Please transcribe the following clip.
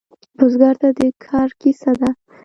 بزګر ته د کر کیسه ده